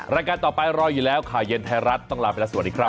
รายการต่อไปรออยู่แล้วข่าวเย็นไทยรัฐต้องลาไปแล้วสวัสดีครับ